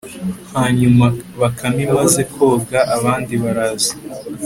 hanyuma bakame imaze koga, abandi baraza